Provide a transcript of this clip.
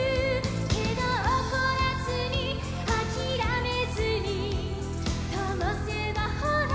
「けどおこらずにあきらめずに」「ともせばほら」